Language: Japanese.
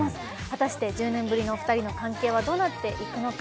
果たして１０年ぶりの２人の関係はどうなっていくのか？